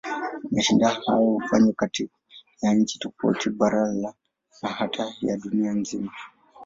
Mashindano hayo hufanywa kati ya nchi tofauti, bara na hata ya dunia nzima.